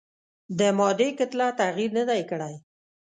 د مادې کتله تغیر نه دی کړی.